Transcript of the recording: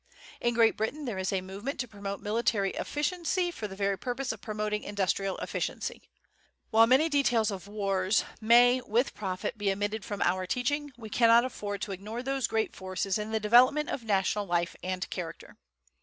In Great Britain there is a movement to promote military efficiency for the very purpose of promoting industrial efficiency. While many details of wars may with profit be omitted from our teaching, we cannot afford to ignore those great forces in the development of national life and character.